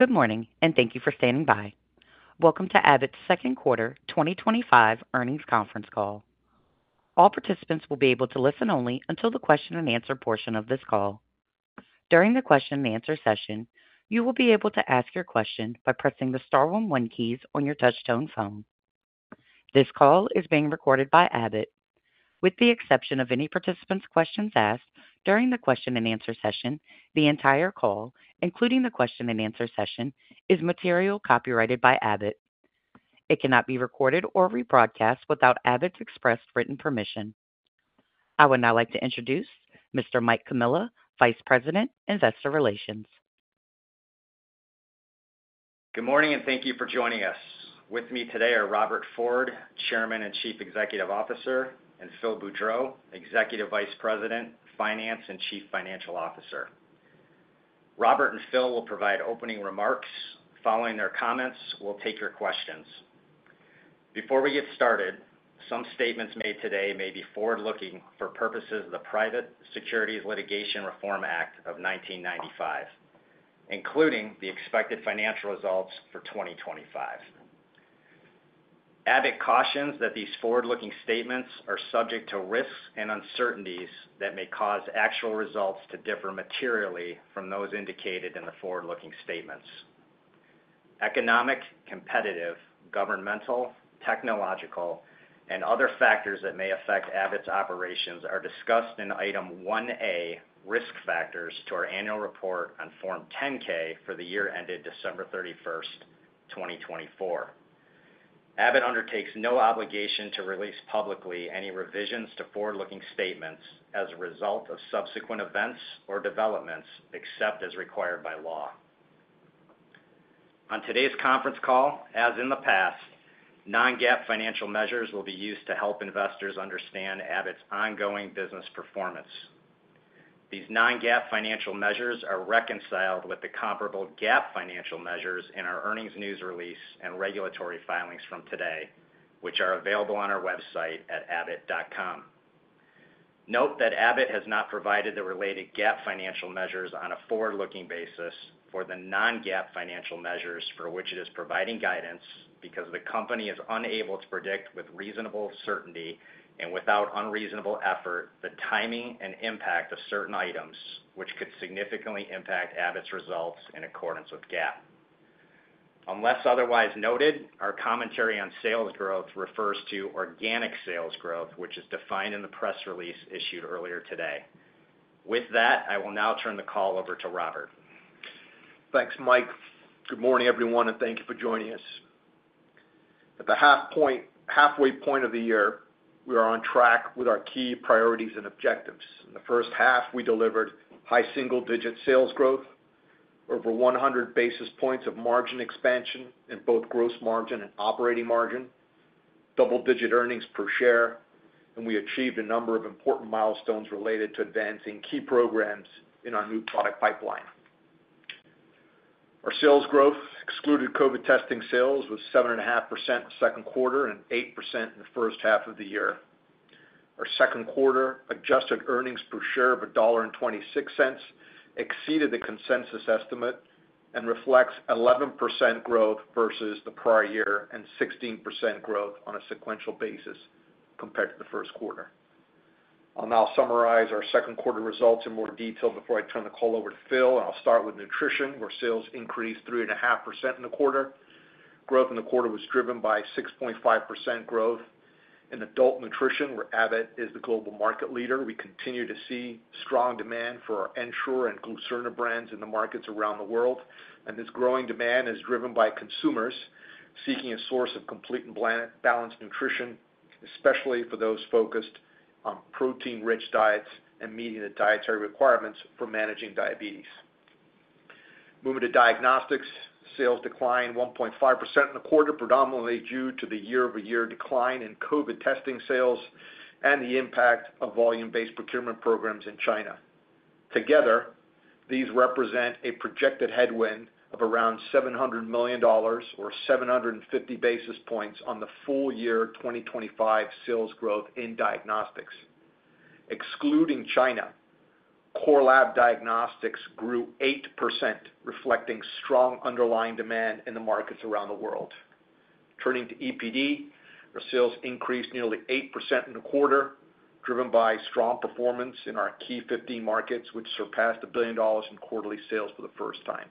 Good morning, and thank you for standing by. Welcome to Abbott's second quarter 2025 earnings conference call. All participants will be able to listen only until the question and answer portion of this call. During the question and answer session, you will be able to ask your question by pressing the star one one keys on your touch-tone phone. This call is being recorded by Abbott. With the exception of any participants' questions asked during the question and answer session, the entire call, including the question and answer session, is material copyrighted by Abbott. It cannot be recorded or rebroadcast without Abbott's expressed written permission. I would now like to introduce Mr. Mike Comilla, Vice President, Investor Relations. Good morning, and thank you for joining us. With me today are Robert Ford, Chairman and Chief Executive Officer, and Phil Boudreau, Executive Vice President, Finance, and Chief Financial Officer. Robert and Phil will provide opening remarks. Following their comments, we'll take your questions. Before we get started, some statements made today may be forward-looking for purposes of the Private Securities Litigation Reform Act of 1995, including the expected financial results for 2025. Abbott cautions that these forward-looking statements are subject to risks and uncertainties that may cause actual results to differ materially from those indicated in the forward-looking statements. Economic, competitive, governmental, technological, and other factors that may affect Abbott's operations are discussed in item 1A, Risk Factors, to our annual report on Form 10-K for the year ended December 31st, 2024. Abbott undertakes no obligation to release publicly any revisions to forward-looking statements as a result of subsequent events or developments except as required by law. On today's conference call, as in the past, non-GAAP financial measures will be used to help investors understand Abbott's ongoing business performance. These non-GAAP financial measures are reconciled with the comparable GAAP financial measures in our earnings news release and regulatory filings from today, which are available on our website at abbott.com. Note that Abbott has not provided the related GAAP financial measures on a forward-looking basis for the non-GAAP financial measures for which it is providing guidance because the company is unable to predict with reasonable certainty and without unreasonable effort the timing and impact of certain items, which could significantly impact Abbott's results in accordance with GAAP. Unless otherwise noted, our commentary on sales growth refers to organic sales growth, which is defined in the press release issued earlier today. With that, I will now turn the call over to Robert. Thanks, Mike. Good morning, everyone, and thank you for joining us. At the halfway point of the year, we are on track with our key priorities and objectives. In the first half, we delivered high single-digit sales growth, over 100 basis points of margin expansion in both gross margin and operating margin, double-digit earnings per share, and we achieved a number of important milestones related to advancing key programs in our new product pipeline. Our sales growth excluded COVID testing sales was 7.5% in the second quarter and 8% in the first half of the year. Our second quarter adjusted earnings per share of $1.26 exceeded the consensus estimate and reflects 11% growth versus the prior year and 16% growth on a sequential basis compared to the first quarter. I'll now summarize our second quarter results in more detail before I turn the call over to Phil, and I'll start with nutrition, where sales increased 3.5% in the quarter. Growth in the quarter was driven by 6.5% growth in adult nutrition, where Abbott is the global market leader. We continue to see strong demand for our Ensure and Glucerna brands in the markets around the world, and this growing demand is driven by consumers seeking a source of complete and balanced nutrition, especially for those focused on protein-rich diets and meeting the dietary requirements for managing diabetes. Moving to diagnostics, sales declined 1.5% in the quarter, predominantly due to the year-over-year decline in COVID testing sales and the impact of volume-based procurement programs in China. Together, these represent a projected headwind of around $700 million or 750 basis points on the full year 2025 sales growth in diagnostics. Excluding China, Core Lab Diagnostics grew 8%, reflecting strong underlying demand in the markets around the world. Turning to EPD, our sales increased nearly 8% in the quarter, driven by strong performance in our key 15 markets, which surpassed $1 billion in quarterly sales for the first time.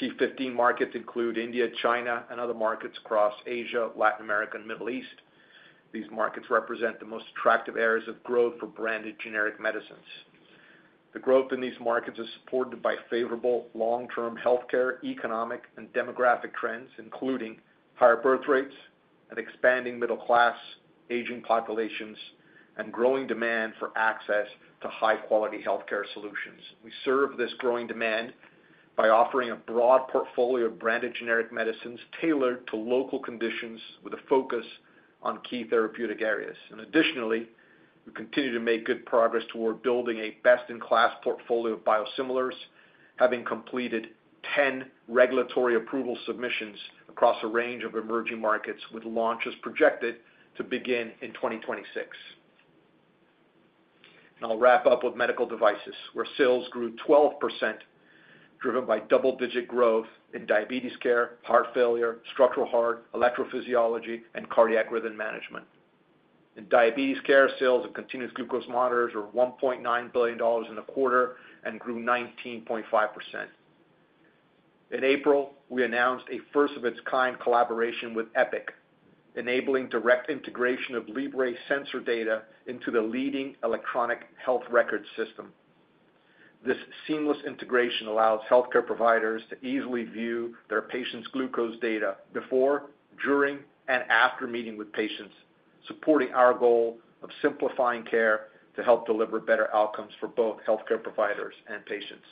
Key 15 markets include India, China, and other markets across Asia, Latin America, and the Middle East. These markets represent the most attractive areas of growth for branded generic medicines. The growth in these markets is supported by favorable long-term healthcare, economic, and demographic trends, including higher birth rates, an expanding middle-class aging population, and growing demand for access to high-quality healthcare solutions. We serve this growing demand by offering a broad portfolio of branded generic medicines tailored to local conditions with a focus on key therapeutic areas. Additionally, we continue to make good progress toward building a best-in-class portfolio of biosimilars, having completed 10 regulatory approval submissions across a range of emerging markets, with launches projected to begin in 2026. I'll wrap up with medical devices, where sales grew 12%, driven by double-digit growth in diabetes care, heart failure, structural heart, electrophysiology, and cardiac rhythm management. In diabetes care, sales of continuous glucose monitors were $1.9 billion in the quarter and grew 19.5%. In April, we announced a first-of-its-kind collaboration with Epic, enabling direct integration of Libre sensor data into the leading electronic health records system. This seamless integration allows healthcare providers to easily view their patients' glucose data before, during, and after meeting with patients, supporting our goal of simplifying care to help deliver better outcomes for both healthcare providers and patients.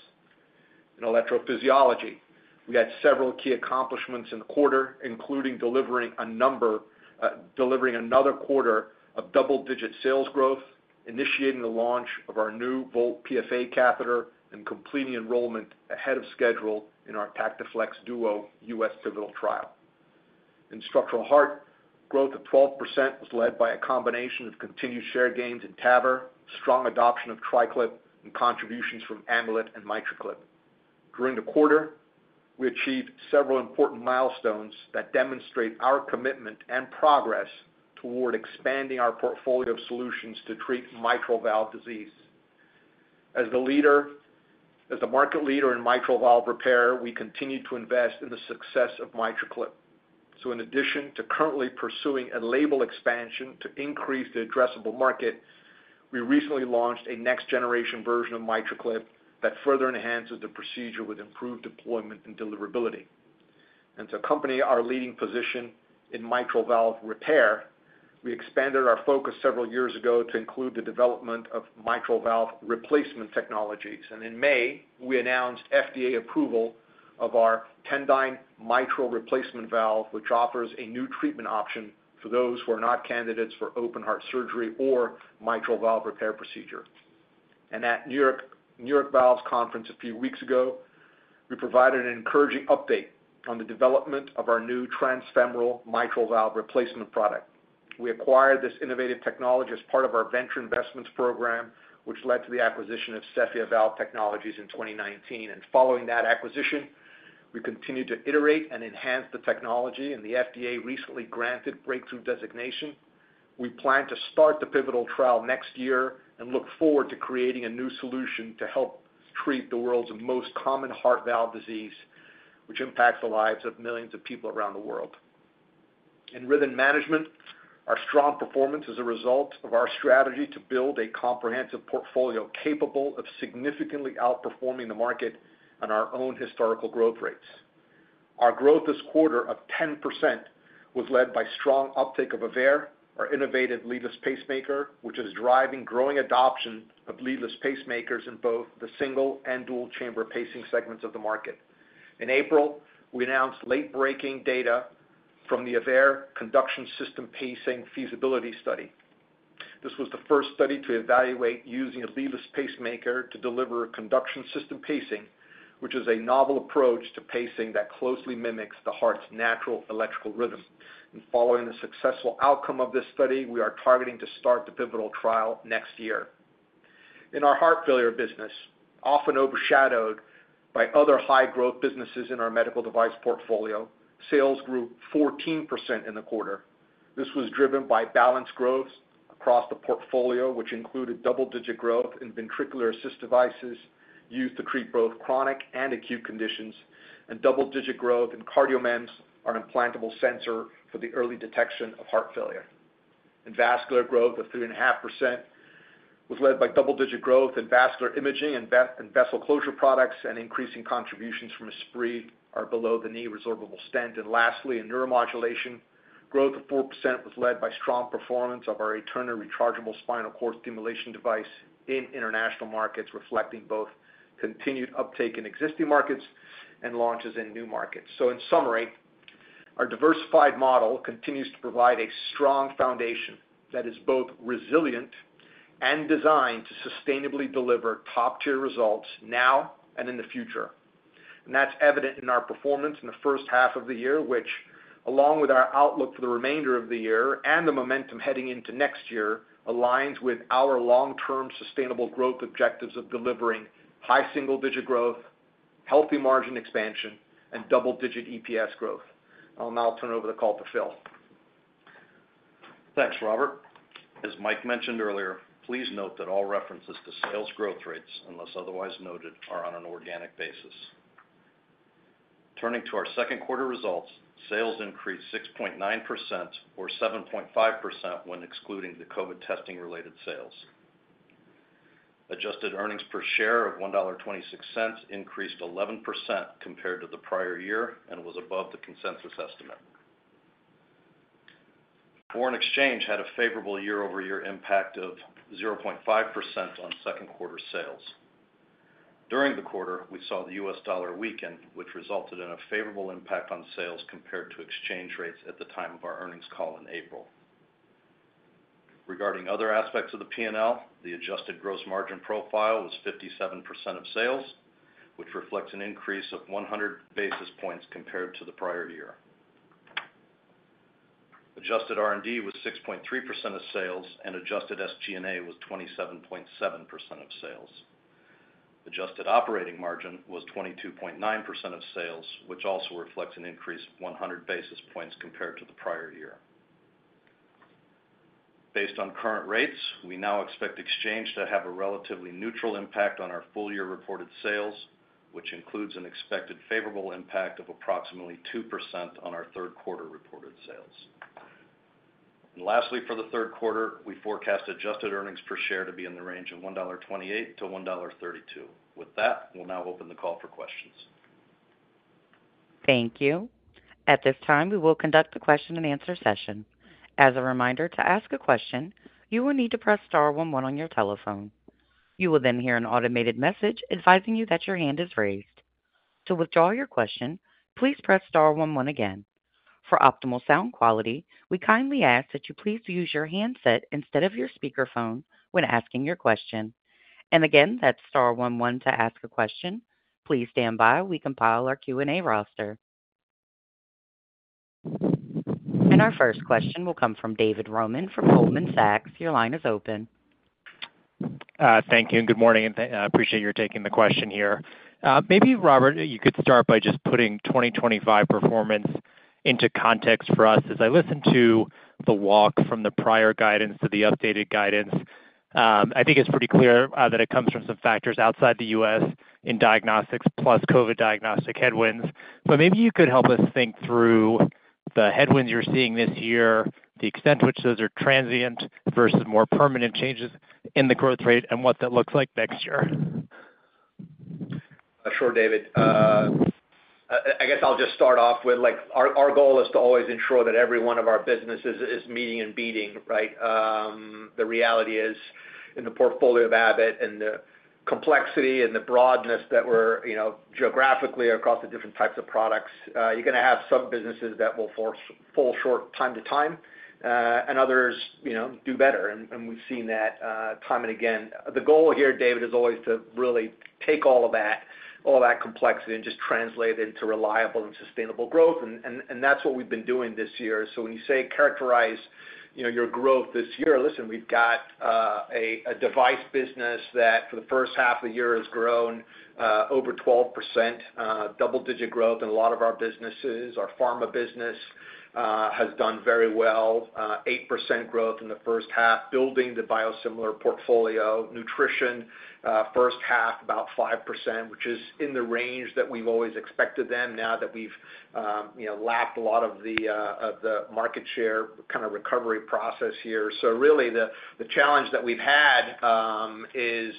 In electrophysiology, we had several key accomplishments in the quarter, including delivering another quarter of double-digit sales growth, initiating the launch of our new Volt PFA catheter, and completing enrollment ahead of schedule in our TactiFlex Duo U.S. pivotal trial. In Structural Heart, growth of 12% was led by a combination of continued share gains in TAVR, strong adoption of TriClip, and contributions from Amulet and MitraClip. During the quarter, we achieved several important milestones that demonstrate our commitment and progress toward expanding our portfolio of solutions to treat mitral valve disease. As the market leader in mitral valve repair, we continue to invest in the success of MitraClip. In addition to currently pursuing a label expansion to increase the addressable market, we recently launched a next-generation version of MitraClip that further enhances the procedure with improved deployment and deliverability. To accompany our leading position in mitral valve repair, we expanded our focus several years ago to include the development of mitral valve replacement technologies. In May, we announced FDA approval of our Tendyne Mitral Replacement Valve, which offers a new treatment option for those who are not candidates for open-heart surgery or mitral valve repair procedure. At New York Valves Conference a few weeks ago, we provided an encouraging update on the development of our new transfemoral mitral valve replacement product. We acquired this innovative technology as part of our venture investments program, which led to the acquisition of Cephea Valve Technologies in 2019. Following that acquisition, we continued to iterate and enhance the technology, and the FDA recently granted breakthrough designation. We plan to start the pivotal trial next year and look forward to creating a new solution to help treat the world's most common heart valve disease, which impacts the lives of millions of people around the world. In rhythm management, our strong performance is a result of our strategy to build a comprehensive portfolio capable of significantly outperforming the market on our own historical growth rates. Our growth this quarter of 10% was led by strong uptake of AVEIR, our innovative leadless pacemaker, which is driving growing adoption of leadless pacemakers in both the single and dual-chamber pacing segments of the market. In April, we announced late-breaking data from the AVEIR conduction system pacing feasibility study. This was the first study to evaluate using a leadless pacemaker to deliver conduction system pacing, which is a novel approach to pacing that closely mimics the heart's natural electrical rhythm. Following the successful outcome of this study, we are targeting to start the pivotal trial next year. In our heart failure business, often overshadowed by other high-growth businesses in our medical device portfolio, sales grew 14% in the quarter. This was driven by balanced growth across the portfolio, which included double-digit growth in ventricular assist devices used to treat both chronic and acute conditions, and double-digit growth in CardioMEMS, our implantable sensor for the early detection of heart failure. In vascular, growth of 3.5% was led by double-digit growth in vascular imaging and vessel closure products, and increasing contributions from Esprit or below-the-knee resorbable stent. Lastly, in neuromodulation, growth of 4% was led by strong performance of our Eterna rechargeable spinal cord stimulation device in international markets, reflecting both continued uptake in existing markets and launches in new markets. In summary, our diversified model continues to provide a strong foundation that is both resilient and designed to sustainably deliver top-tier results now and in the future. That's evident in our performance in the first half of the year, which, along with our outlook for the remainder of the year and the momentum heading into next year, aligns with our long-term sustainable growth objectives of delivering high single-digit growth, healthy margin expansion, and double-digit EPS growth. I'll now turn over the call to Phil. Thanks, Robert. As Mike mentioned earlier, please note that all references to sales growth rates, unless otherwise noted, are on an organic basis. Turning to our second quarter results, sales increased 6.9% or 7.5% when excluding the COVID testing-related sales. Adjusted earnings per share of $1.26 increased 11% compared to the prior year and was above the consensus estimate. Foreign exchange had a favorable year-over-year impact of 0.5% on second-quarter sales. During the quarter, we saw the US dollar weaken, which resulted in a favorable impact on sales compared to exchange rates at the time of our earnings call in April. Regarding other aspects of the P&L, the adjusted gross margin profile was 57% of sales, which reflects an increase of 100 basis points compared to the prior year. Adjusted R&D was 6.3% of sales, and adjusted SG&A was 27.7% of sales. Adjusted operating margin was 22.9% of sales, which also reflects an increase of 100 basis points compared to the prior year. Based on current rates, we now expect exchange to have a relatively neutral impact on our full-year reported sales, which includes an expected favorable impact of approximately 2% on our third-quarter reported sales. Lastly, for the third quarter, we forecast adjusted earnings per share to be in the range of $1.28-$1.32. With that, we'll now open the call for questions. Thank you. At this time, we will conduct the question-and-answer session. As a reminder, to ask a question, you will need to press star one one on your telephone. You will then hear an automated message advising you that your hand is raised. To withdraw your question, please press star one one again. For optimal sound quality, we kindly ask that you please use your handset instead of your speakerphone when asking your question. Again, that is star one one to ask a question. Please stand by while we compile our Q&A roster. Our first question will come from David Roman from Goldman Sachs. Your line is open. Thank you. Good morning. I appreciate your taking the question here. Maybe, Robert, you could start by just putting 2025 performance into context for us. As I listen to the walk from the prior guidance to the updated guidance, I think it's pretty clear that it comes from some factors outside the U.S. in diagnostics plus COVID diagnostic headwinds. Maybe you could help us think through the headwinds you're seeing this year, the extent to which those are transient versus more permanent changes in the growth rate, and what that looks like next year. Sure, David. I guess I'll just start off with our goal is to always ensure that every one of our businesses is meeting and beating. The reality is, in the portfolio of Abbott and the complexity and the broadness that we're geographically across the different types of products, you're going to have some businesses that will fall short time to time, and others do better. We've seen that time and again. The goal here, David, is always to really take all of that complexity and just translate it into reliable and sustainable growth. That's what we've been doing this year. When you say characterize your growth this year, listen, we've got a device business that, for the first half of the year, has grown over 12%, double-digit growth in a lot of our businesses. Our pharma business has done very well, 8% growth in the first half, building the biosimilar portfolio. Nutrition, first half, about 5%, which is in the range that we've always expected them now that we've lapped a lot of the market share kind of recovery process here. Really, the challenge that we've had is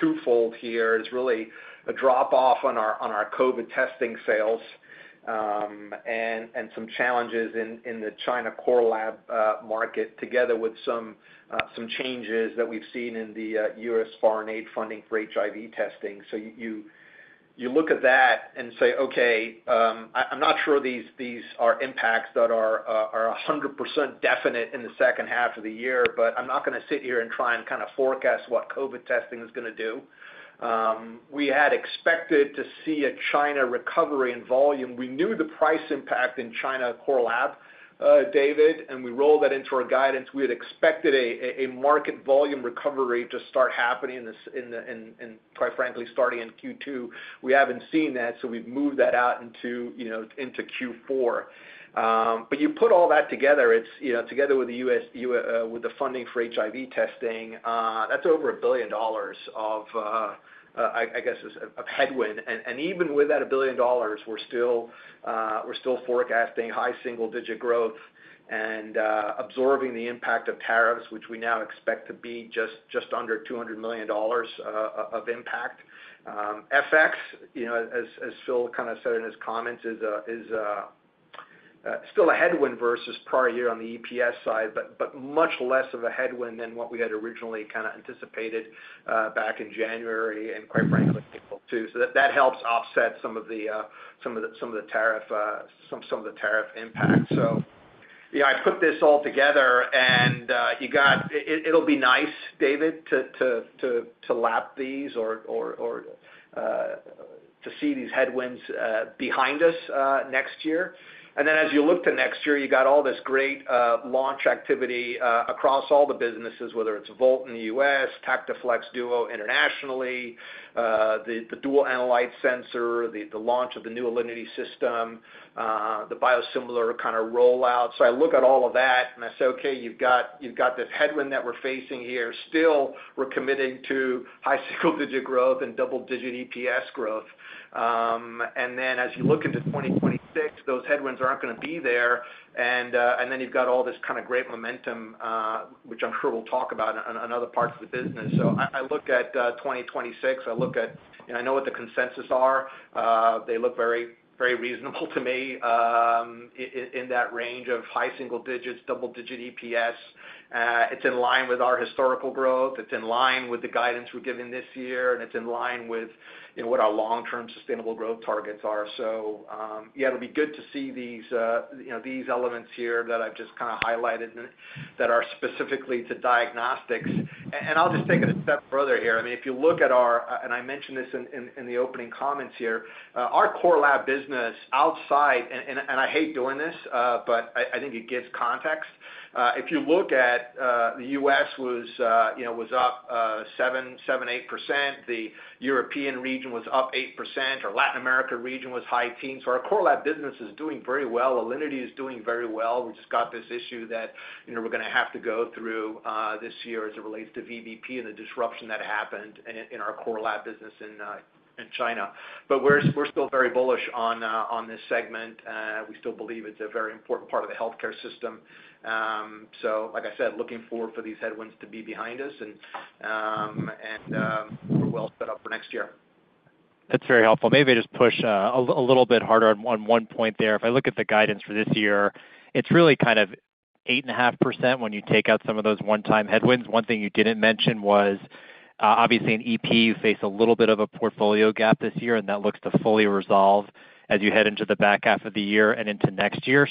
twofold here. It's really a drop-off on our COVID testing sales and some challenges in the China core lab market, together with some changes that we've seen in the U.S. foreign aid funding for HIV testing. You look at that and say, "Okay, I'm not sure these are impacts that are 100% definite in the second half of the year, but I'm not going to sit here and try and kind of forecast what COVID testing is going to do." We had expected to see a China recovery in volume. We knew the price impact in China core lab, David, and we rolled that into our guidance. We had expected a market volume recovery to start happening and, quite frankly, starting in Q2. We haven't seen that, so we've moved that out into Q4. You put all that together, together with the funding for HIV testing, that's over $1 billion of headwind. Even with that $1 billion, we're still forecasting high single-digit growth and absorbing the impact of tariffs, which we now expect to be just under $200 million of impact. FX, as Phil kind of said in his comments, is still a headwind versus prior year on the EPS side, but much less of a headwind than what we had originally kind of anticipated back in January and, quite frankly, April too. That helps offset some of the tariff impact. I put this all together, and it'll be nice, David, to lap these or to see these headwinds behind us next year. As you look to next year, you've got all this great launch activity across all the businesses, whether it's Volt in the U.S., TactiFlex Duo internationally, the dual-analyte sensor, the launch of the new Alinity system, the biosimilar kind of rollout. I look at all of that and I say, "Okay, you've got this headwind that we're facing here. Still, we're committing to high single-digit growth and double-digit EPS growth." As you look into 2026, those headwinds aren't going to be there. You've got all this kind of great momentum, which I'm sure we'll talk about in other parts of the business. I look at 2026. I know what the consensus are. They look very reasonable to me in that range of high single-digits, double-digit EPS. It's in line with our historical growth. It's in line with the guidance we're giving this year, and it's in line with what our long-term sustainable growth targets are. It'll be good to see these elements here that I've just kind of highlighted that are specifically to diagnostics. I'll just take it a step further here. If you look at our—and I mentioned this in the opening comments here—our core lab business outside—and I hate doing this, but I think it gives context. If you look at the U.S., it was up 7%, 8%. The European region was up 8%. Our Latin America region was high teens. Our core lab business is doing very well. Alinity is doing very well. We just got this issue that we're going to have to go through this year as it relates to VBP and the disruption that happened in our core lab business in China. We are still very bullish on this segment. We still believe it's a very important part of the healthcare system. Like I said, looking forward for these headwinds to be behind us, and we're well set up for next year. That's very helpful. Maybe I just push a little bit harder on one point there. If I look at the guidance for this year, it's really kind of 8.5% when you take out some of those one-time headwinds. One thing you didn't mention was, obviously, in EP, you face a little bit of a portfolio gap this year, and that looks to fully resolve as you head into the back half of the year and into next year.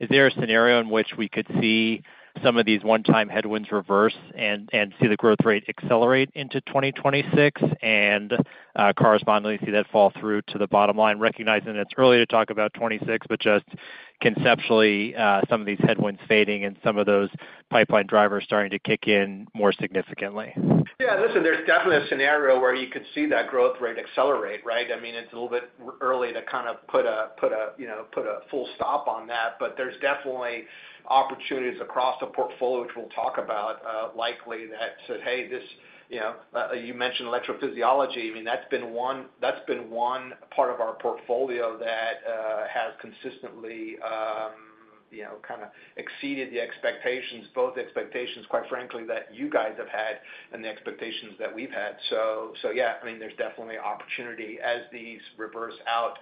Is there a scenario in which we could see some of these one-time headwinds reverse and see the growth rate accelerate into 2026 and correspondingly see that fall through to the bottom line, recognizing that it's early to talk about 2026, but just conceptually some of these headwinds fading and some of those pipeline drivers starting to kick in more significantly? Yeah. Listen, there's definitely a scenario where you could see that growth rate accelerate. It's a little bit early to kind of put a full stop on that, but there's definitely opportunities across the portfolio, which we'll talk about, likely that say, "Hey, you mentioned electrophysiology." That's been one part of our portfolio that has consistently kind of exceeded the expectations, both expectations, quite frankly, that you guys have had and the expectations that we've had. Yeah, there's definitely opportunity as these reverse out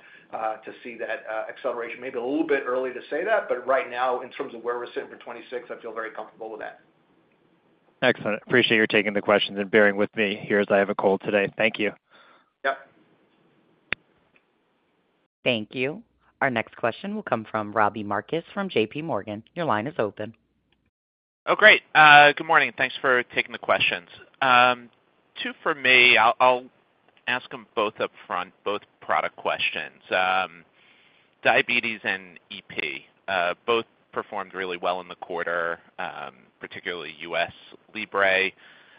to see that acceleration. Maybe a little bit early to say that, but right now, in terms of where we're sitting for 2026, I feel very comfortable with that. Excellent. Appreciate your taking the questions and bearing with me here as I have a cold today. Thank you. Yep. Thank you. Our next question will come from Robbie Marcus from JPMorgan. Your line is open. Oh, great. Good morning. Thanks for taking the questions. Two for me. I'll ask them both upfront, both product questions. Diabetes and EP, both performed really well in the quarter, particularly U.S. Libre. It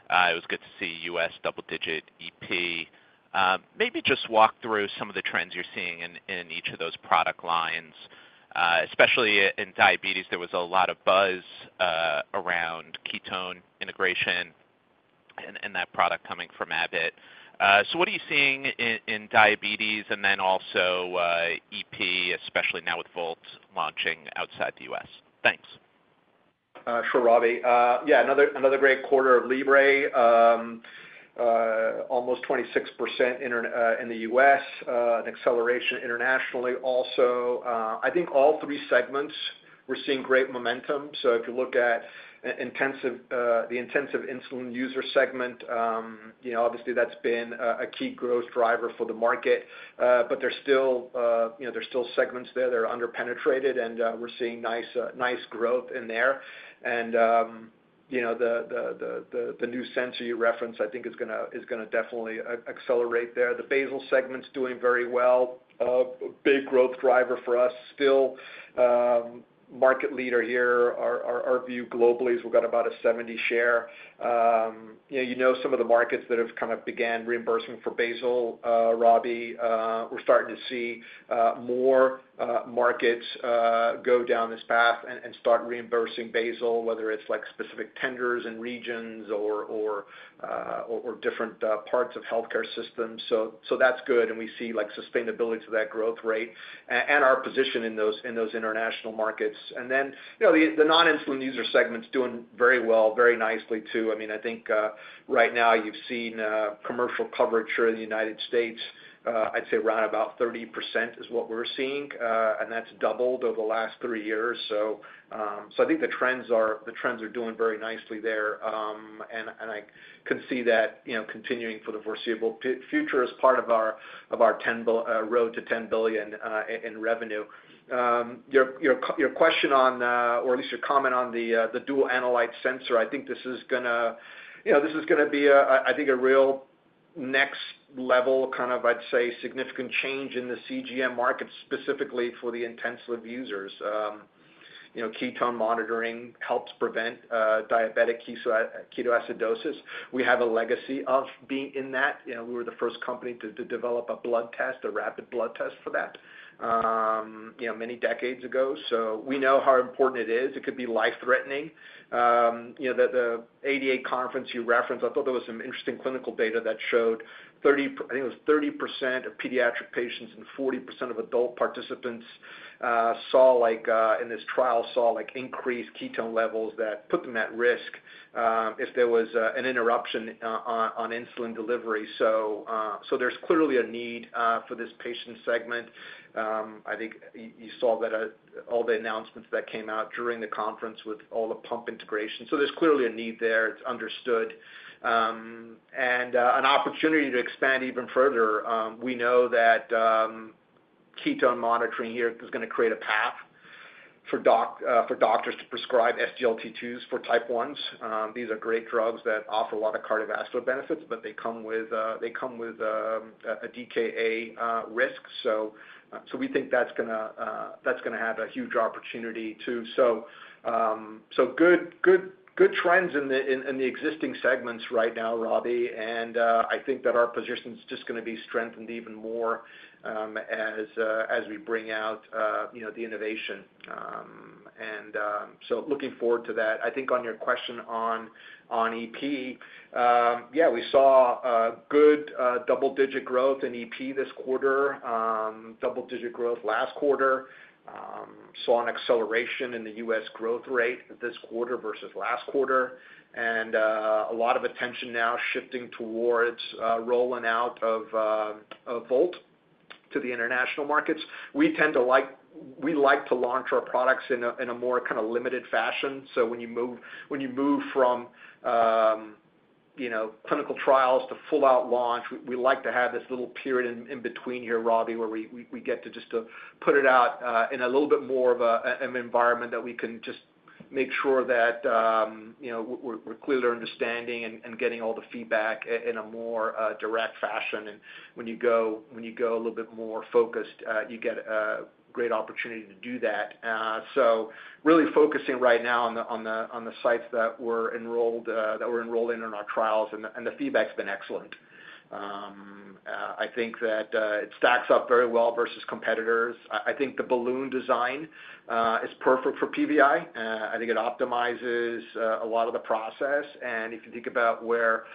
was good to see U.S. double-digit EP. Maybe just walk through some of the trends you're seeing in each of those product lines, especially in diabetes. There was a lot of buzz around ketone integration and that product coming from Abbott. What are you seeing in diabetes and then also EP, especially now with Volt launching outside the U.S.? Thanks. Sure, Robbie. Yeah, another great quarter of Libre, almost 26% in the U.S., an acceleration internationally also. I think all three segments, we're seeing great momentum. If you look at the intensive insulin user segment, obviously, that's been a key growth driver for the market, but there's still segments there that are under-penetrated, and we're seeing nice growth in there. The new sensor you referenced, I think, is going to definitely accelerate there. The basal segment's doing very well. Big growth driver for us. Still, market leader here, our view globally is we've got about a 70% share. You know some of the markets that have kind of began reimbursing for basal, Robbie. We're starting to see more markets go down this path and start reimbursing basal, whether it's specific tenders and regions or different parts of healthcare systems. That's good, and we see sustainability to that growth rate and our position in those international markets. The non-insulin user segment's doing very well, very nicely too. I think right now, you've seen commercial coverage here in the U.S., I'd say around about 30% is what we're seeing, and that's doubled over the last three years. I think the trends are doing very nicely there, and I can see that continuing for the foreseeable future as part of our road to $10 billion in revenue. Your question on, or at least your comment on the dual-analyte sensor, I think this is going to be, I think, a real next-level kind of, I'd say, significant change in the CGM market, specifically for the intensive users. Ketone monitoring helps prevent diabetic ketoacidosis. We have a legacy of being in that. We were the first company to develop a blood test, a rapid blood test for that many decades ago. We know how important it is. It could be life-threatening. The ADA conference you referenced, I thought there was some interesting clinical data that showed—I think it was 30% of pediatric patients and 40% of adult participants saw, in this trial, saw increased ketone levels that put them at risk if there was an interruption on insulin delivery. There's clearly a need for this patient segment. I think you saw all the announcements that came out during the conference with all the pump integration. There's clearly a need there. It's understood. An opportunity to expand even further. We know that ketone monitoring here is going to create a path for doctors to prescribe SGLT2s for type 1s. These are great drugs that offer a lot of cardiovascular benefits, but they come with a DKA risk. We think that's going to have a huge opportunity too. Good trends in the existing segments right now, Robbie, and I think that our position's just going to be strengthened even more as we bring out the innovation. Looking forward to that. I think on your question on EP, yeah, we saw good double-digit growth in EP this quarter, double-digit growth last quarter. Saw an acceleration in the U.S. growth rate this quarter versus last quarter. A lot of attention now shifting towards rolling out of Volt to the international markets. We like to launch our products in a more kind of limited fashion. When you move from clinical trials to full-out launch, we like to have this little period in between here, Robbie, where we get to just put it out in a little bit more of an environment that we can just make sure that we're clearly understanding and getting all the feedback in a more direct fashion. When you go a little bit more focused, you get a great opportunity to do that. Really focusing right now on the sites that were enrolled in our trials, and the feedback's been excellent. I think that it stacks up very well versus competitors. I think the balloon design is perfect for PVI. I think it optimizes a lot of the process. If you think about where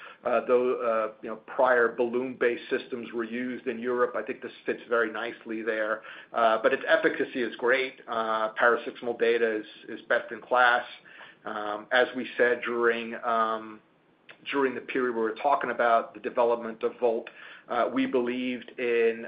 those prior balloon-based systems were used in Europe, I think this fits very nicely there. Its efficacy is great. Paroxysmal data is best in class. As we said during the period we were talking about the development of Volt, we believed in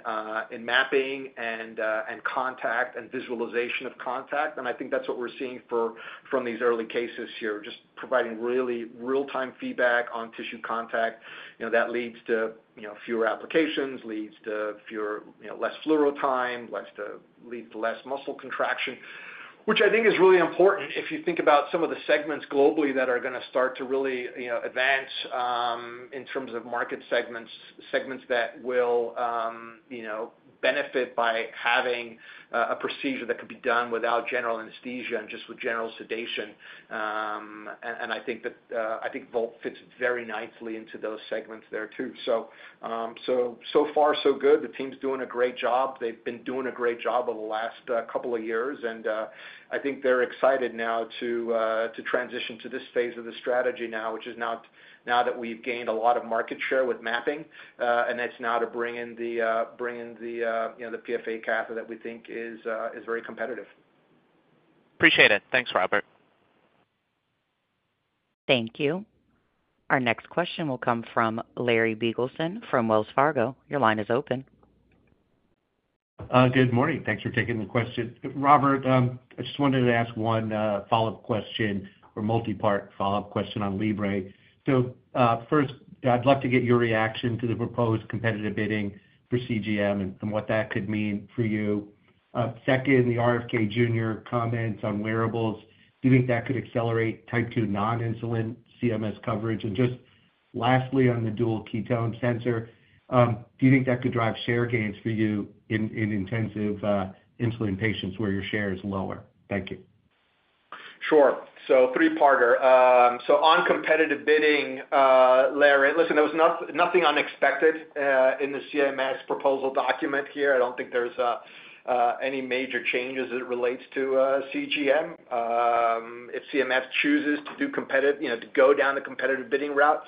mapping and contact and visualization of contact. I think that's what we're seeing from these early cases here, just providing really real-time feedback on tissue contact that leads to fewer applications, leads to less fluoro time, leads to less muscle contraction, which I think is really important if you think about some of the segments globally that are going to start to really advance in terms of market segments, segments that will benefit by having a procedure that could be done without general anesthesia and just with general sedation. I think Volt fits very nicely into those segments there too. So far, so good. The team's doing a great job. They've been doing a great job over the last couple of years, and I think they're excited now to transition to this phase of the strategy now, which is now that we've gained a lot of market share with mapping, and that's now to bring in the PFA catheter that we think is very competitive. Appreciate it. Thanks, Robert. Thank you. Our next question will come from Larry Biegelsen from Wells Fargo. Your line is open. Good morning. Thanks for taking the question. Robert, I just wanted to ask one follow-up question or multi-part follow-up question on Libre. First, I'd love to get your reaction to the proposed competitive bidding for CGM and what that could mean for you. Second, the RFK Junior comments on wearables. Do you think that could accelerate type 2 non-insulin CMS coverage? Lastly, on the dual ketone sensor, do you think that could drive share gains for you in intensive insulin patients where your share is lower? Thank you. Sure. Three-parter. On competitive bidding, Larry, listen, there was nothing unexpected in the CMS proposal document here. I do not think there are any major changes as it relates to CGM. If CMS chooses to go down the competitive bidding route,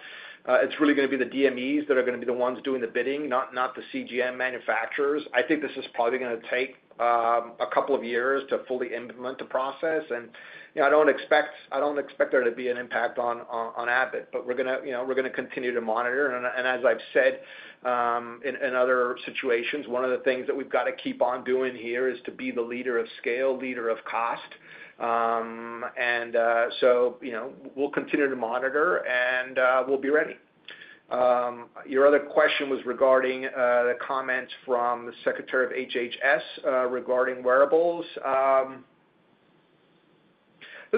it is really going to be the DMEs that are going to be the ones doing the bidding, not the CGM manufacturers. I think this is probably going to take a couple of years to fully implement the process. I do not expect there to be an impact on Abbott, but we are going to continue to monitor. As I have said in other situations, one of the things that we have got to keep on doing here is to be the leader of scale, leader of cost. We will continue to monitor, and we will be ready. Your other question was regarding the comments from the secretary of HHS regarding wearables.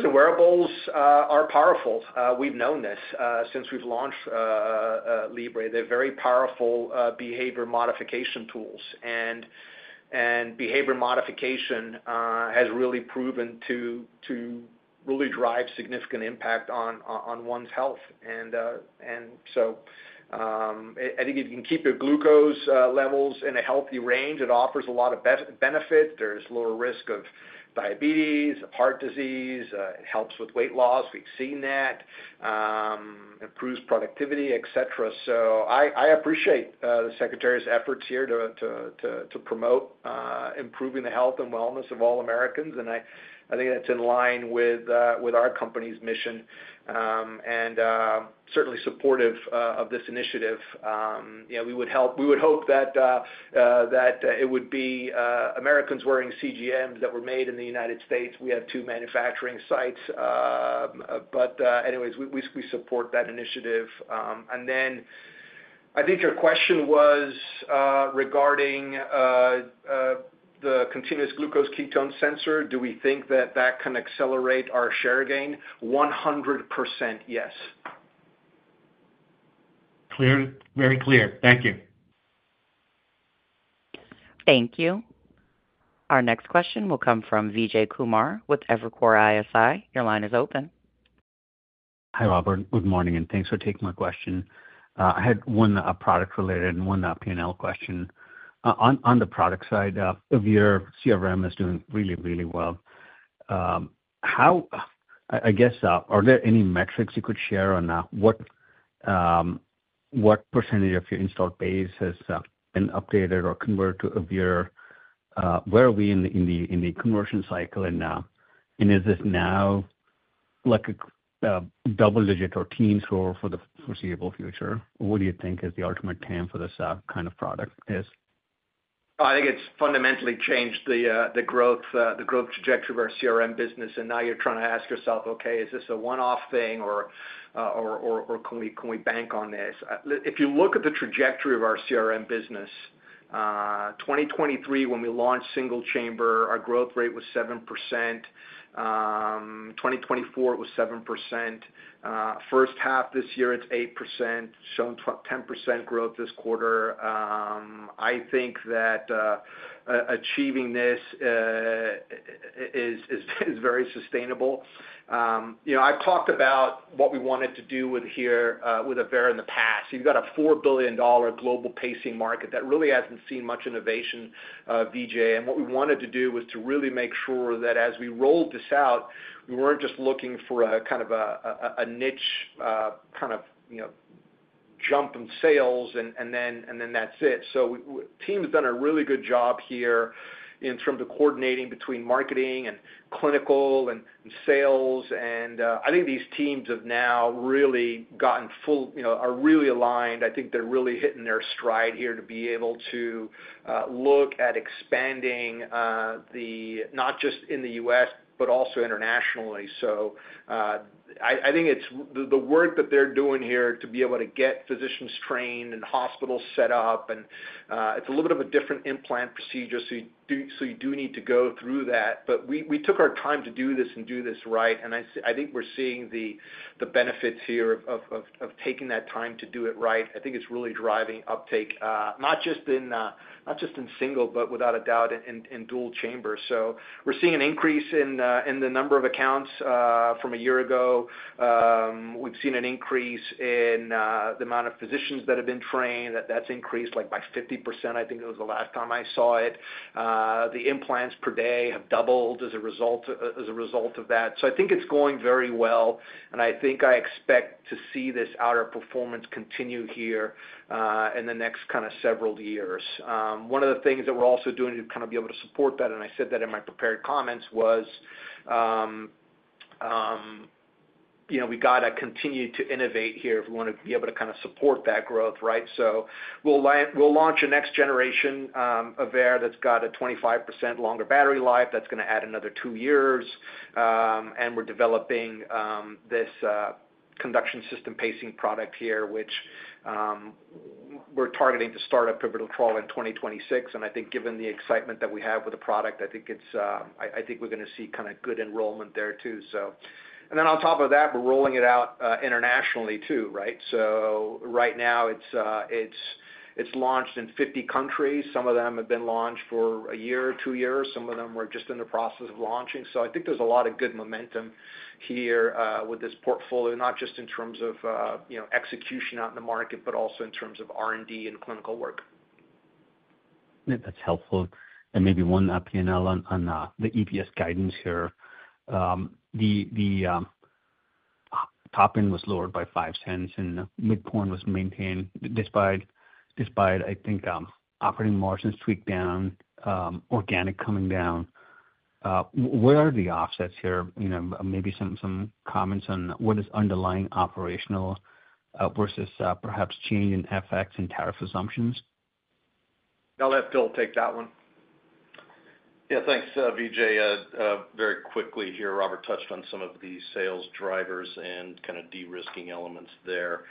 Wearables are powerful. We've known this since we've launched Libre. They're very powerful behavior modification tools, and behavior modification has really proven to really drive significant impact on one's health. I think if you can keep your glucose levels in a healthy range, it offers a lot of benefits. There's lower risk of diabetes, heart disease. It helps with weight loss. We've seen that. It improves productivity, etc. I appreciate the secretary's efforts here to promote improving the health and wellness of all Americans, and I think that's in line with our company's mission and certainly supportive of this initiative. We would hope that it would be Americans wearing CGMs that were made in the United States. We have two manufacturing sites, but anyways, we support that initiative. I think your question was regarding the continuous glucose ketone sensor. Do we think that that can accelerate our share gain? 100% yes. Clear. Very clear. Thank you. Thank you. Our next question will come from Vijay Kumar with Evercore ISI. Your line is open. Hi, Robert. Good morning, and thanks for taking my question. I had one product-related and one P&L question. On the product side, AVEIR CRM is doing really, really well. I guess, are there any metrics you could share on what percentage of your installed base has been updated or converted to AVEIR? Where are we in the conversion cycle? Is this now double-digit or teens for the foreseeable future? What do you think is the ultimate term for this kind of product? I think it's fundamentally changed the growth trajectory of our CRM business, and now you're trying to ask yourself, okay, is this a one-off thing, or can we bank on this? If you look at the trajectory of our CRM business, 2023, when we launched single chamber, our growth rate was 7%. 2024, it was 7%. First half this year, it's 8%, showing 10% growth this quarter. I think that achieving this is very sustainable. I've talked about what we wanted to do here with AVEIR in the past. You've got a $4 billion global pacing market that really hasn't seen much innovation, Vijay. What we wanted to do was to really make sure that as we rolled this out, we weren't just looking for a kind of a niche kind of jump in sales, and then that's it. The team's done a really good job here in terms of coordinating between marketing and clinical and sales. I think these teams have now really gotten full, are really aligned. I think they're really hitting their stride here to be able to look at expanding not just in the U.S., but also internationally. I think it's the work that they're doing here to be able to get physicians trained and hospitals set up. It's a little bit of a different implant procedure, so you do need to go through that. We took our time to do this and do this right, and I think we're seeing the benefits here of taking that time to do it right. I think it's really driving uptake, not just in single, but without a doubt in dual chamber. We're seeing an increase in the number of accounts from a year ago. We've seen an increase in the amount of physicians that have been trained. That's increased by 50%. I think it was the last time I saw it. The implants per day have doubled as a result of that. I think it's going very well, and I think I expect to see this outer performance continue here in the next kind of several years. One of the things that we're also doing to kind of be able to support that, and I said that in my prepared comments, was we got to continue to innovate here if we want to be able to kind of support that growth. We'll launch a next-generation AVEIR that's got a 25% longer battery life. That's going to add another two years. We're developing this conduction system pacing product here, which we're targeting to start a pivotal trial in 2026. I think given the excitement that we have with the product, I think we're going to see kind of good enrollment there too. On top of that, we're rolling it out internationally too. Right now, it's launched in 50 countries. Some of them have been launched for a year or two years. Some of them were just in the process of launching. I think there's a lot of good momentum here with this portfolio, not just in terms of execution out in the market, but also in terms of R&D and clinical work. That's helpful. Maybe one P&L on the EPS guidance here. The top end was lowered by $0.05, and midpoint was maintained despite, I think, operating margins tweaked down, organic coming down. Where are the offsets here? Maybe some comments on what is underlying operational versus perhaps change in FX and tariff assumptions? I'll let Phil take that one. Yeah. Thanks, Vijay. Very quickly here, Robert touched on some of the sales drivers and kind of de-risking elements there.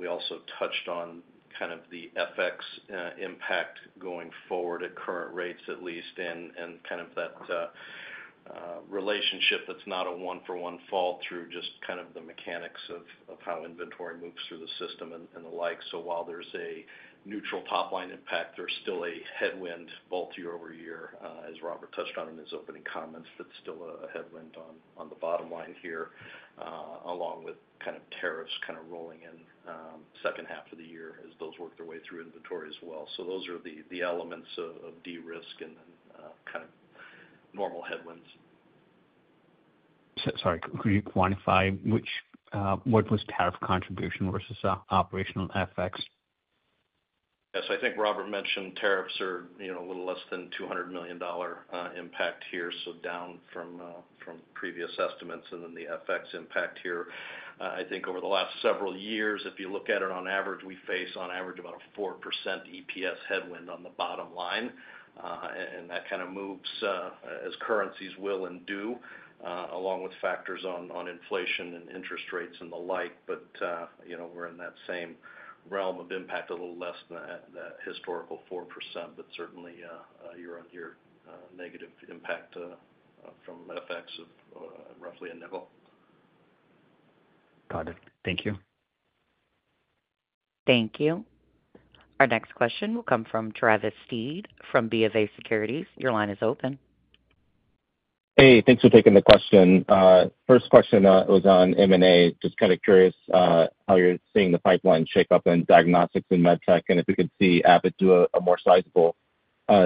We also touched on kind of the FX impact going forward at current rates at least, and kind of that relationship that's not a one-for-one fall through, just kind of the mechanics of how inventory moves through the system and the like. While there's a neutral top line impact, there's still a headwind both year over year, as Robert touched on in his opening comments. That's still a headwind on the bottom line here, along with kind of tariffs kind of rolling in the second half of the year as those work their way through inventory as well. Those are the elements of de-risk and then kind of normal headwinds. Sorry, could you quantify what was tariff contribution versus operational FX? Yes. I think Robert mentioned tariffs are a little less than $200 million impact here, so down from previous estimates. Then the FX impact here, I think over the last several years, if you look at it on average, we face on average about a 4% EPS headwind on the bottom line. That kind of moves as currencies will and do, along with factors on inflation and interest rates and the like. We are in that same realm of impact, a little less than that historical 4%, but certainly year-on-year negative impact from FX of roughly a nickel. Got it. Thank you. Thank you. Our next question will come from Travis Steed from BofA Securities. Your line is open. Hey, thanks for taking the question. First question was on M&A. Just kind of curious how you're seeing the pipeline shake up in diagnostics and med tech, and if you could see Abbott do a more sizable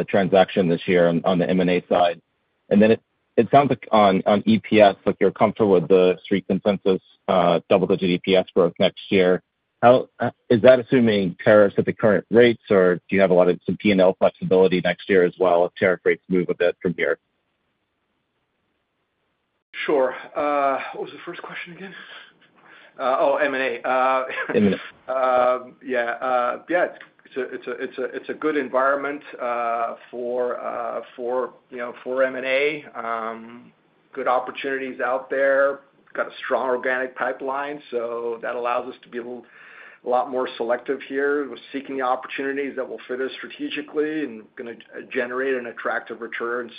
transaction this year on the M&A side. It sounds like on EPS, you're comfortable with the street consensus double-digit EPS growth next year. Is that assuming tariffs at the current rates, or do you have a lot of some P&L flexibility next year as well if tariff rates move a bit from here? Sure. What was the first question again? Oh, M&A. M&A. Yeah. Yeah. It's a good environment for M&A. Good opportunities out there. Got a strong organic pipeline, so that allows us to be a lot more selective here. We're seeking the opportunities that will fit us strategically and going to generate an attractive return.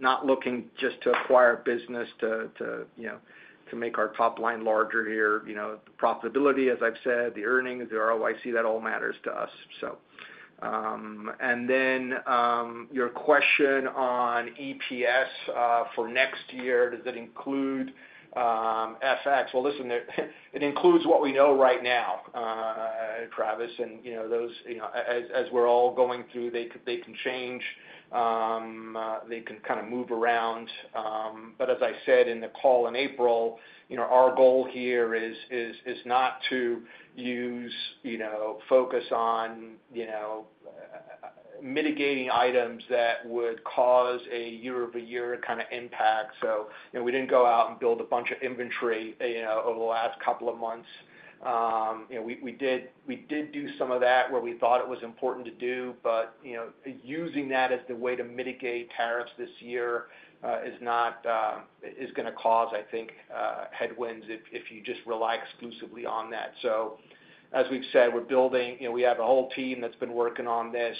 Not looking just to acquire a business to make our top line larger here. Profitability, as I've said, the earnings, the ROIC, that all matters to us. Your question on EPS for next year, does it include FX? Listen, it includes what we know right now, Travis. As we're all going through, they can change. They can kind of move around. As I said in the call in April, our goal here is not to focus on mitigating items that would cause a year-over-year kind of impact. We didn't go out and build a bunch of inventory over the last couple of months. We did do some of that where we thought it was important to do, but using that as the way to mitigate tariffs this year is going to cause, I think, headwinds if you just rely exclusively on that. As we have said, we have a whole team that has been working on this.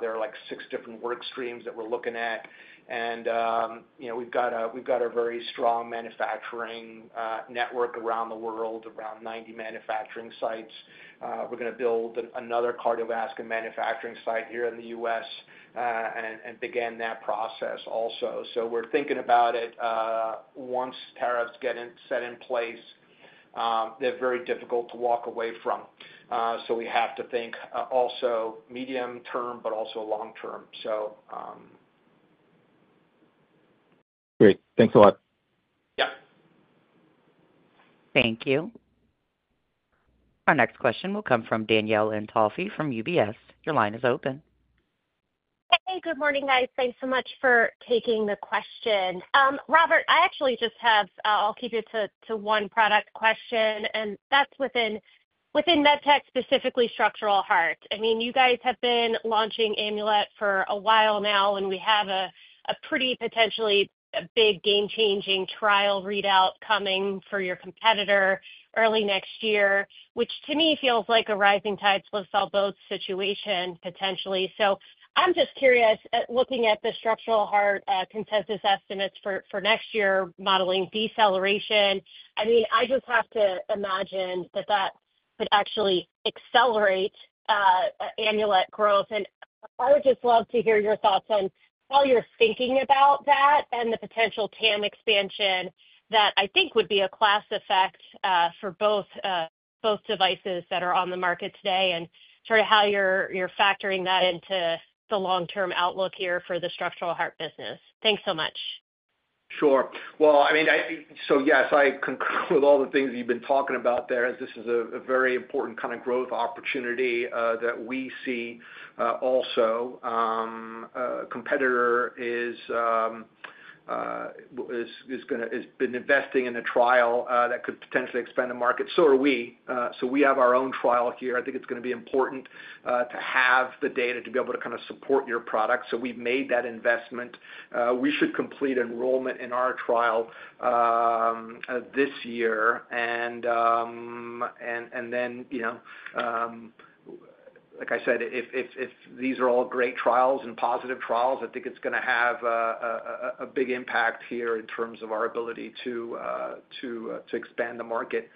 There are like six different work streams that we are looking at. We have got a very strong manufacturing network around the world, around 90 manufacturing sites. We are going to build another cardiovascular manufacturing site here in the U.S. and begin that process also. We are thinking about it once tariffs get set in place. They are very difficult to walk away from. We have to think also medium term, but also long term. Great. Thanks a lot. Yeah. Thank you. Our next question will come from Danielle Antalffy from UBS. Your line is open. Hey, good morning, guys. Thanks so much for taking the question. Robert, I actually just have—I'll keep it to one product question, and that's within med tech, specifically Structural Heart. You guys have been launching Amulet for a while now, and we have a pretty potentially big game-changing trial readout coming for your competitor early next year, which to me feels like a rising tide floods all boats situation potentially. I'm just curious, looking at the Structural Heart consensus estimates for next year, modeling deceleration, I just have to imagine that that could actually accelerate Amulet growth. I would just love to hear your thoughts on how you're thinking about that and the potential TAM expansion that I think would be a class effect for both devices that are on the market today, and sort of how you're factoring that into the long-term outlook here for the Structural Heart business. Thanks so much. Sure. Yes, I concur with all the things you've been talking about there, as this is a very important kind of growth opportunity that we see also. A competitor has been investing in a trial that could potentially expand the market, so are we. We have our own trial here. I think it's going to be important to have the data to be able to kind of support your product. We've made that investment. We should complete enrollment in our trial this year. Like I said, if these are all great trials and positive trials, I think it's going to have a big impact here in terms of our ability to expand the market.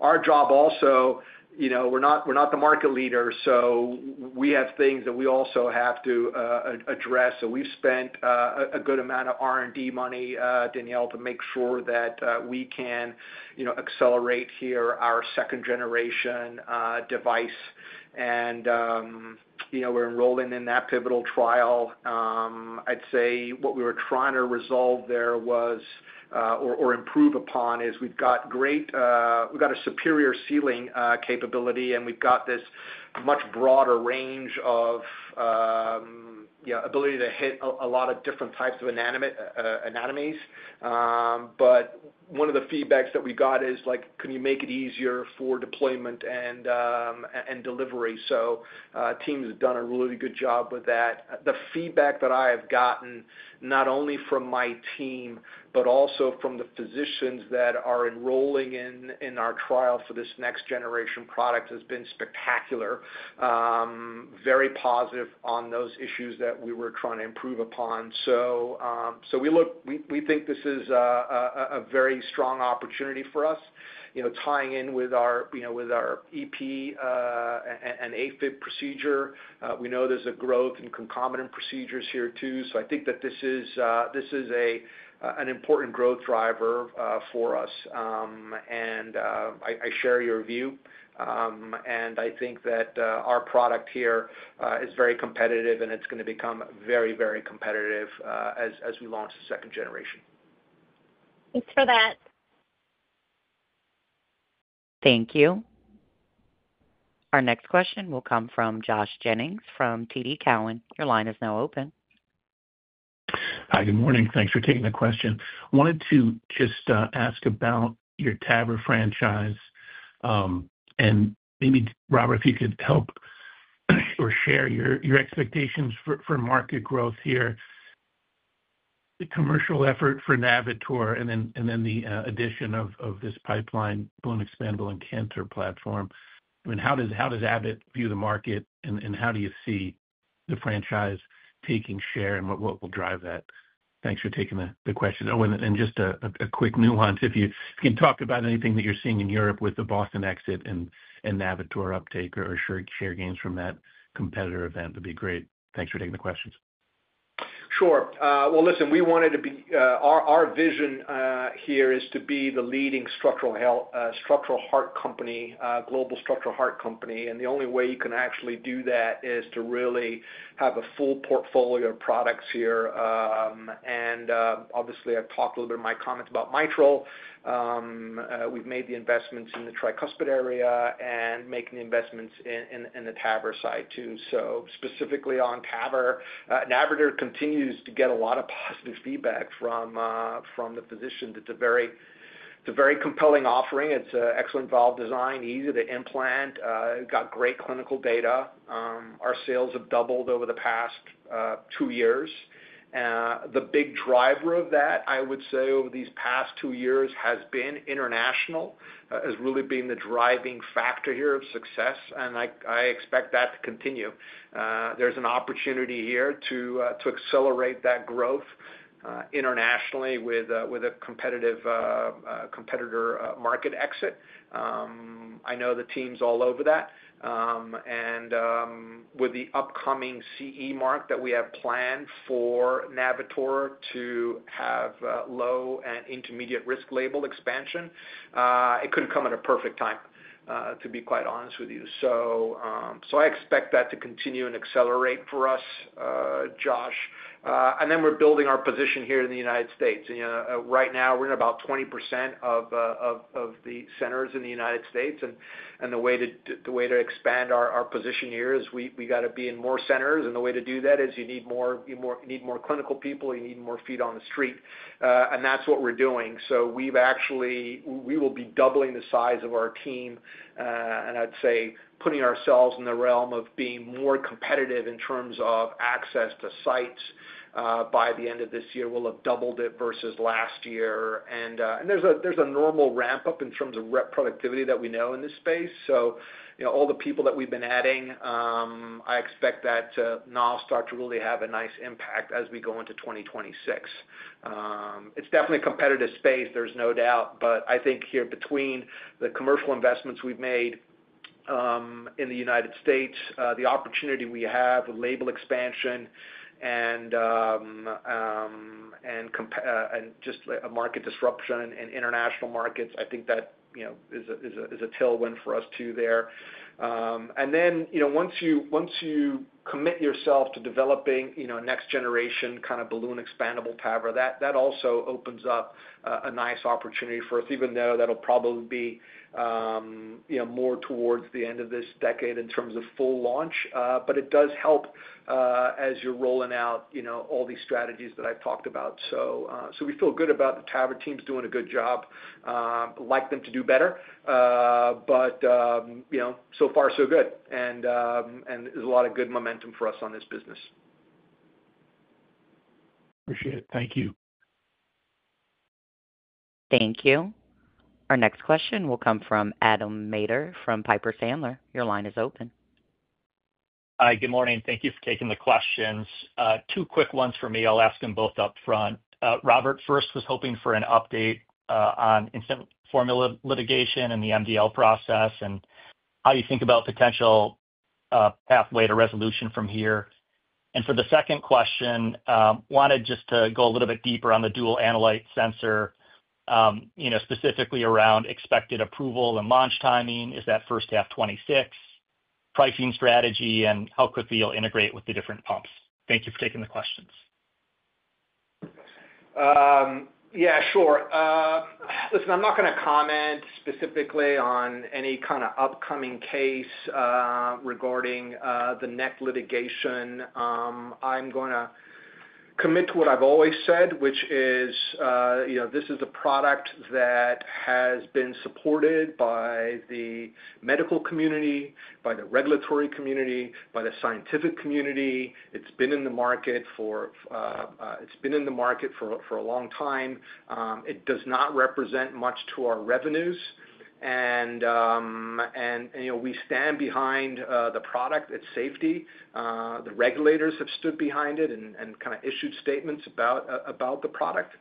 Our job also, we're not the market leader, so we have things that we also have to address. We've spent a good amount of R&D money, Danielle, to make sure that we can accelerate here our second-generation device. We're enrolling in that pivotal trial. I'd say what we were trying to resolve there was, or improve upon, is we've got great—we've got a superior sealing capability, and we've got this much broader range of ability to hit a lot of different types of anatomies. One of the feedbacks that we got is, "Can you make it easier for deployment and delivery?" Teams have done a really good job with that. The feedback that I have gotten, not only from my team, but also from the physicians that are enrolling in our trial for this next-generation product, has been spectacular. Very positive on those issues that we were trying to improve upon. We think this is a very strong opportunity for us, tying in with our EP and AFib procedure. We know there's a growth in concomitant procedures here too. I think that this is an important growth driver for us. I share your view. I think that our product here is very competitive, and it's going to become very, very competitive as we launch the second generation. Thanks for that. Thank you. Our next question will come from Josh Jennings from TD Cowen. Your line is now open. Hi, good morning. Thanks for taking the question. Wanted to just ask about your TAVR franchise. Maybe Robert, if you could help or share your expectations for market growth here. The commercial effort for Navitor, and then the addition of this pipeline, balloon expandable, and cannula platform. How does Abbott view the market, and how do you see the franchise taking share, and what will drive that? Thanks for taking the question. Just a quick nuance. If you can talk about anything that you're seeing in Europe with the Boston exit and Navitor uptake or share gains from that competitor event, that'd be great. Thanks for taking the questions. Sure. Listen, we wanted to be—our vision here is to be the leading Structural Heart company, global Structural Heart company. The only way you can actually do that is to really have a full portfolio of products here. Obviously, I talked a little bit in my comments about mitral. We've made the investments in the tricuspid area and making investments in the TAVR side too. Specifically on TAVR, Navitor continues to get a lot of positive feedback from the physicians. It's a very compelling offering. It's excellent valve design, easy to implant. Got great clinical data. Our sales have doubled over the past two years. The big driver of that, I would say, over these past two years has been international, has really been the driving factor here of success, and I expect that to continue. There's an opportunity here to accelerate that growth internationally with a competitor market exit. I know the team's all over that. With the upcoming CE mark that we have planned for Navitor to have low and intermediate risk label expansion, it could not come at a perfect time, to be quite honest with you. I expect that to continue and accelerate for us, Josh. We are building our position here in the United States. Right now, we are in about 20% of the centers in the United States. The way to expand our position here is we got to be in more centers. The way to do that is you need more clinical people, you need more feet on the street. That is what we are doing. We will be doubling the size of our team, and I'd say putting ourselves in the realm of being more competitive in terms of access to sites by the end of this year. We'll have doubled it versus last year. There's a normal ramp-up in terms of rep productivity that we know in this space. All the people that we've been adding, I expect that now start to really have a nice impact as we go into 2026. It's definitely a competitive space, there's no doubt. I think here between the commercial investments we've made in the United States, the opportunity we have with label expansion and just market disruption in international markets, I think that is a tailwind for us too there. Once you commit yourself to developing next-generation kind of balloon expandable TAVR, that also opens up a nice opportunity for us, even though that'll probably be more towards the end of this decade in terms of full launch. It does help as you're rolling out all these strategies that I've talked about. We feel good about the TAVR team's doing a good job. Like them to do better, but so far, so good. There's a lot of good momentum for us on this business. Appreciate it. Thank you. Thank you. Our next question will come from Adam Maeder from Piper Sandler. Your line is open. Hi, good morning. Thank you for taking the questions. Two quick ones for me. I'll ask them both upfront. Robert, first was hoping for an update on incentive formula litigation and the MDL process, and how you think about potential pathway to resolution from here. For the second question, wanted just to go a little bit deeper on the dual-analyte sensor, specifically around expected approval and launch timing. Is that first half 2026? Pricing strategy and how quickly you'll integrate with the different pumps. Thank you for taking the questions. Yeah, sure. Listen, I'm not going to comment specifically on any kind of upcoming case regarding the neck litigation. I'm going to commit to what I've always said, which is this is a product that has been supported by the medical community, by the regulatory community, by the scientific community. It's been in the market for a long time. It does not represent much to our revenues. We stand behind the product. Its safety. The regulators have stood behind it and kind of issued statements about the product.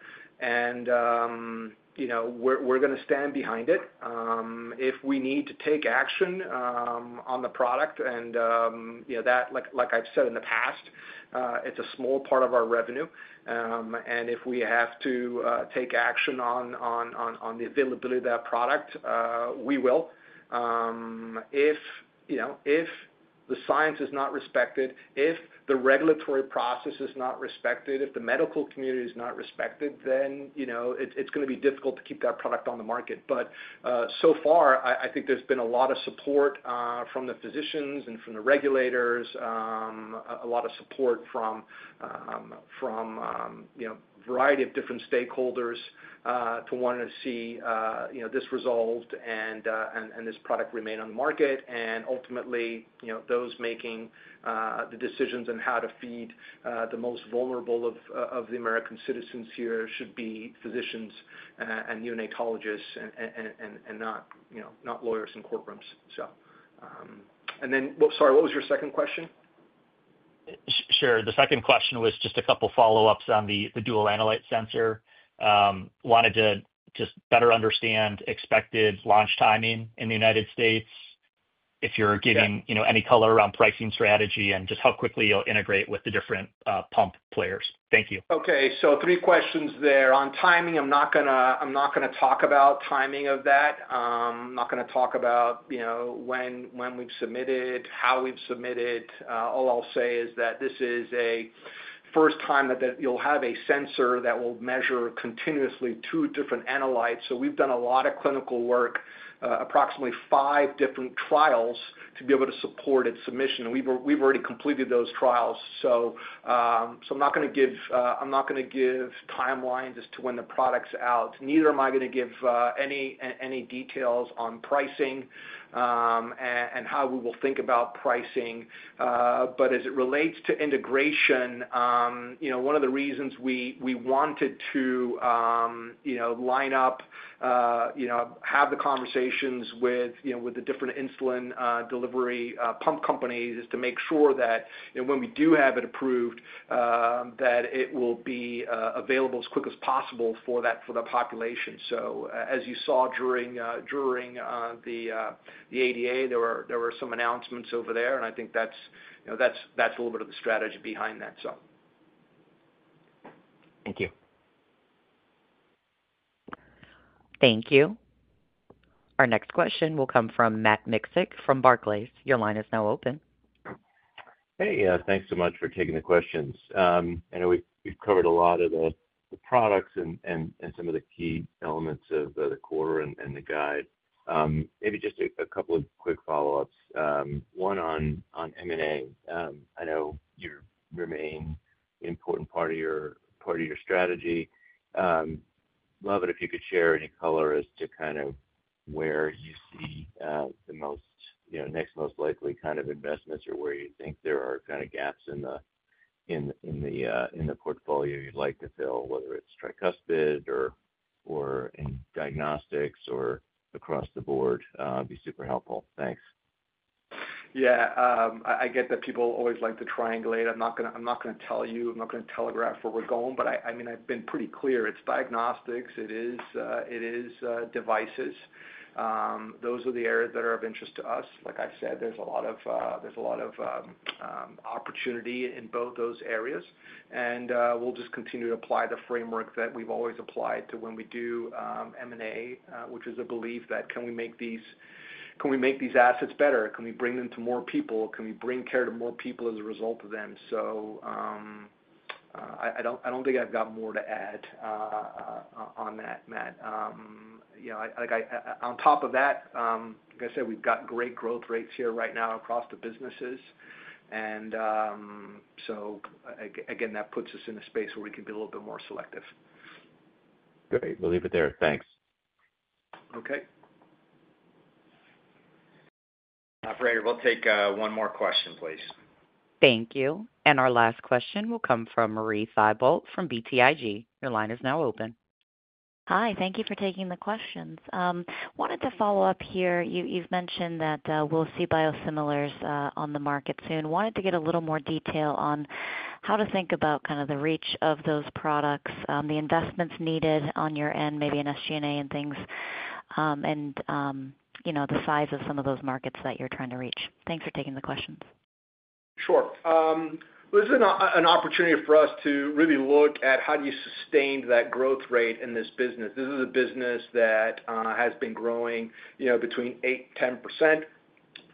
We're going to stand behind it if we need to take action on the product. Like I've said in the past, it's a small part of our revenue. If we have to take action on the availability of that product, we will. If the science is not respected, if the regulatory process is not respected, if the medical community is not respected, then it's going to be difficult to keep that product on the market. So far, I think there's been a lot of support from the physicians and from the regulators, a lot of support from a variety of different stakeholders to want to see this resolved and this product remain on the market. Ultimately, those making the decisions on how to feed the most vulnerable of the American citizens here should be physicians and neonatologists and not lawyers and courtrooms. Sorry, what was your second question? Sure. The second question was just a couple of follow-ups on the dual-analyte sensor. Wanted to just better understand expected launch timing in the United States, if you're giving any color around pricing strategy and just how quickly you'll integrate with the different pump players. Thank you. Okay. Three questions there. On timing, I'm not going to talk about timing of that. I'm not going to talk about when we've submitted, how we've submitted. All I'll say is that this is a first time that you'll have a sensor that will measure continuously two different analytes. We've done a lot of clinical work, approximately five different trials to be able to support its submission. We've already completed those trials. I'm not going to give timelines as to when the product's out. Neither am I going to give any details on pricing and how we will think about pricing. As it relates to integration, one of the reasons we wanted to line up, have the conversations with the different insulin delivery pump companies is to make sure that when we do have it approved, that it will be available as quick as possible for the population. As you saw during the ADA, there were some announcements over there, and I think that's a little bit of the strategy behind that. Thank you. Thank you. Our next question will come from Matt Miksic from Barclays. Your line is now open. Hey, thanks so much for taking the questions. We've covered a lot of the products and some of the key elements of the quarter and the guide. Maybe just a couple of quick follow-ups. One on M&A. I know you remain an important part of your strategy. Love it if you could share any color as to kind of where you see the next most likely kind of investments or where you think there are kind of gaps in the portfolio you'd like to fill, whether it's tricuspid or in diagnostics or across the board. That'd be super helpful. Thanks. Yeah. I get that people always like to triangulate. I'm not going to tell you, I'm not going to telegraph where we're going, but I've been pretty clear. It's diagnostics, it is devices. Those are the areas that are of interest to us. Like I said, there's a lot of opportunity in both those areas. We'll just continue to apply the framework that we've always applied to when we do M&A, which is a belief that can we make these assets better? Can we bring them to more people? Can we bring care to more people as a result of them? I don't think I've got more to add on that, Matt. On top of that, like I said, we've got great growth rates here right now across the businesses. Again, that puts us in a space where we can be a little bit more selective. Great. We'll leave it there. Thanks. Okay. Operator, we'll take one more question, please. Thank you. Our last question will come from Marie Thibaut from BTIG. Your line is now open. Hi, thank you for taking the questions. Wanted to follow up here. You've mentioned that we'll see biosimilars on the market soon. Wanted to get a little more detail on how to think about kind of the reach of those products, the investments needed on your end, maybe in SG&A and things, and the size of some of those markets that you're trying to reach. Thanks for taking the questions. Sure. This is an opportunity for us to really look at how do you sustain that growth rate in this business. This is a business that has been growing between 8% and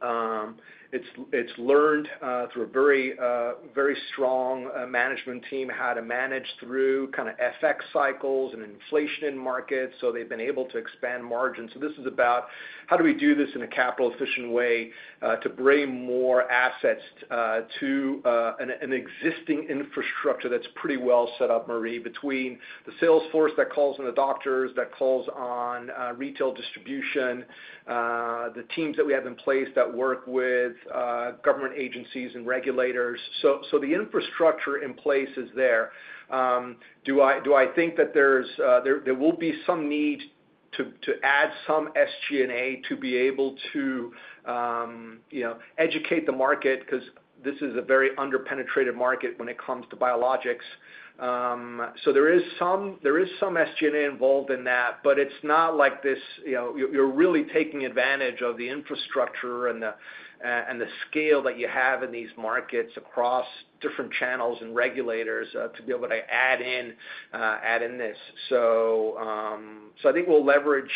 10%. It's learned through a very strong management team how to manage through kind of FX cycles and inflation in markets, so they've been able to expand margins. This is about how do we do this in a capital-efficient way to bring more assets to an existing infrastructure that's pretty well set up, Marie, between the salesforce that calls on the doctors, that calls on retail distribution, the teams that we have in place that work with government agencies and regulators. The infrastructure in place is there. Do I think that there will be some need to add some SG&A to be able to educate the market? Because this is a very under-penetrated market when it comes to biologics. There is some SG&A involved in that, but it's not like you're really taking advantage of the infrastructure and the scale that you have in these markets across different channels and regulators to be able to add in this. I think we'll leverage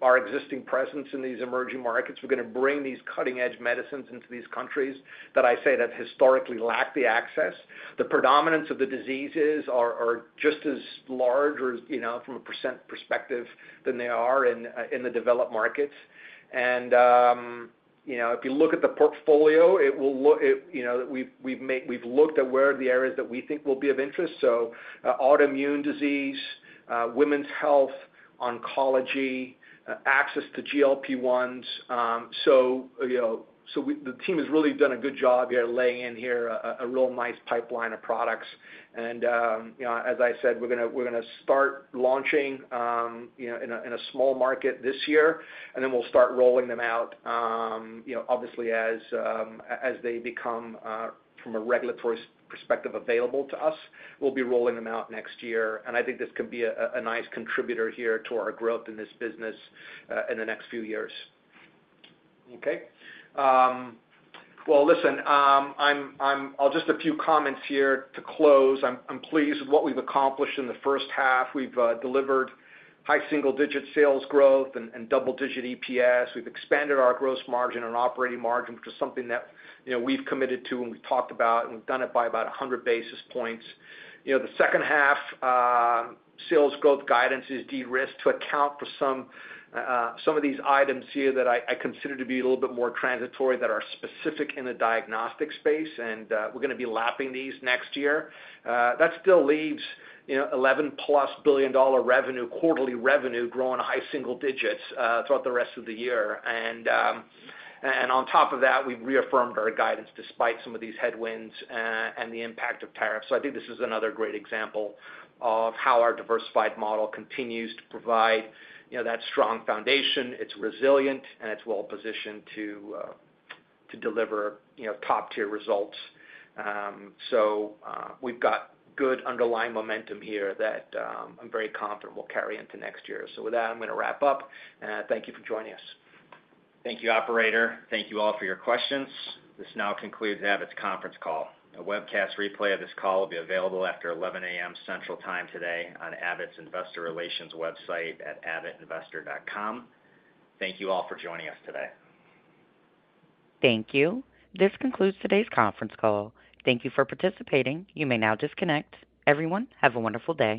our existing presence in these emerging markets. We're going to bring these cutting-edge medicines into these countries that I say that historically lack the access. The predominance of the diseases are just as large from a % perspective than they are in the developed markets. If you look at the portfolio, we've looked at where the areas that we think will be of interest. Autoimmune disease, women's health, oncology, access to GLP-1s. The team has really done a good job here laying in here a real nice pipeline of products. As I said, we're going to start launching in a small market this year, and then we'll start rolling them out, obviously, as they become, from a regulatory perspective, available to us. We'll be rolling them out next year. I think this can be a nice contributor here to our growth in this business in the next few years. Okay. Listen, I'll just make a few comments here to close. I'm pleased with what we've accomplished in the first half. We've delivered high single-digit sales growth and double-digit EPS. We've expanded our gross margin and operating margin, which is something that we've committed to and we've talked about, and we've done it by about 100 basis points. The second half sales growth guidance is de-risked to account for some of these items here that I consider to be a little bit more transitory that are specific in the diagnostic space, and we're going to be lapping these next year. That still leaves $11+ billion quarterly revenue growing high single digits throughout the rest of the year. On top of that, we've reaffirmed our guidance despite some of these headwinds and the impact of tariffs. I think this is another great example of how our diversified model continues to provide that strong foundation. It's resilient, and it's well-positioned to deliver top-tier results. We've got good underlying momentum here that I'm very confident we'll carry into next year. With that, I'm going to wrap up. Thank you for joining us. Thank you, Operator. Thank you all for your questions. This now concludes Abbott's conference call. A webcast replay of this call will be available after 11:00 A.M. Central Time today on Abbott's investor relations website at abbotinvestor.com. Thank you all for joining us today. Thank you. This concludes today's conference call. Thank you for participating. You may now disconnect. Everyone, have a wonderful day.